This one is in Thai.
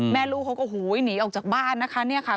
แม่ลูกเขาก็หนีออกจากบ้านนะคะ